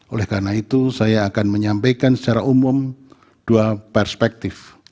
oleh karena itu saya akan menyampaikan secara umum dua perspektif